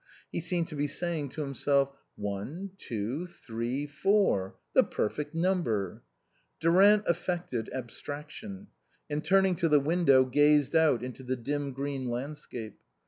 He seemed to be saying to himself, " One, two, three, four ; the perfect number." Durant affected abstraction, and turning to the window gazed out into the dim green landscape.